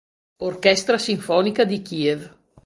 Orchestra Sinfonica di Kiev.